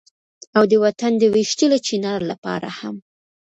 او د وطن د ويشتلي چينار لپاره هم